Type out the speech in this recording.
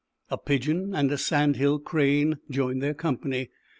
A Pigeon and a Sand Hill Crane joined their company.